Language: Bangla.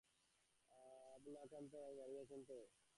অবলাকান্তবাবু বাড়ি আছেন তো?